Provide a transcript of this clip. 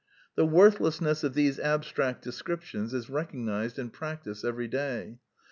The worthlessness of these abstract descriptions is recognized in practice every day.